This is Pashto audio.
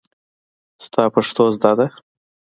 ستا پښتو زده ده.